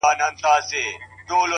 هره ورځ د نوې هڅې بلنه ده،